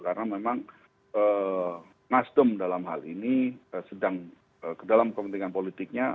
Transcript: karena memang ngasdem dalam hal ini sedang ke dalam kepentingan politiknya